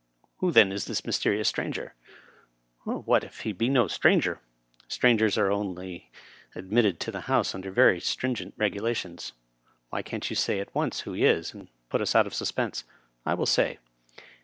Who, then, is this mysterious stranger} What if he be no stranger ? Strangers are only admitted to the House under very stringent regulations. ^' Why can't you say at once who he is, and put jis out of suspense %" I will say.